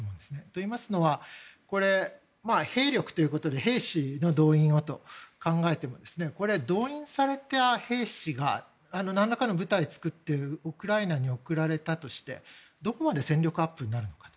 といいますのは兵力ということで兵士の動員をと考えてもこれ、動員された兵士が何らかの部隊作ってウクライナに送られたとしてどこまで戦力アップになるのか。